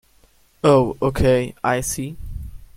Oh okay, I see.